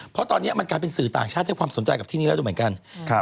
เพราะตอนนี้มันกลายเป็นสื่อต่างชาติให้ความสนใจกับที่นี่แล้วดูเหมือนกัน